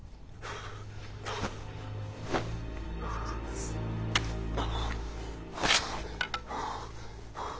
ああ？